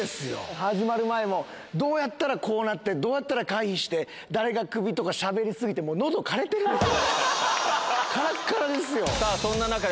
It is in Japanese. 始まる前も、どうやったらこうなって、どうやったら回避して、誰がクビとか、しゃべり過ぎて、もうのど枯れてるんですよ。